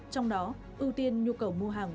trong đó ưu tiên nhu cầu mua hàng